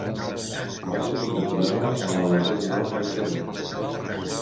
Va ser condecorada amb la Legió d'honor francesa.